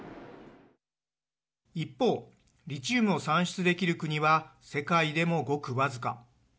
一方、リチウムを産出できる国は世界でも、ごく僅か。